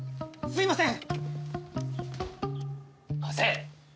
すいません！